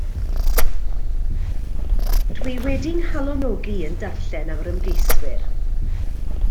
Dw i wedi 'nghalonogi yn darllen am yr ymgeiswyr.